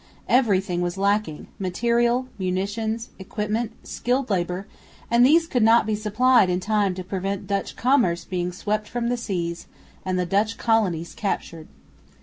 Everything was lacking material, munitions, equipment, skilled labour and these could not be supplied in time to prevent Dutch commerce being swept from the seas and the Dutch colonies captured.